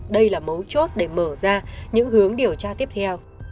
đây là mấu chốt để mở ra những hướng điều tra tiếp theo